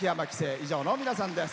以上の皆さんです。